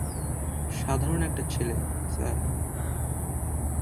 সাধারণ একটা ছেলে, স্যার।